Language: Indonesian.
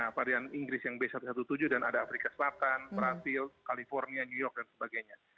varian inggris yang b satu ratus tujuh belas dan ada afrika selatan brazil california new york dan sebagainya